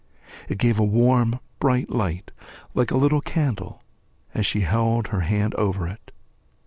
It gave out a warm, bright flame like a little candle, as she held her hands over it.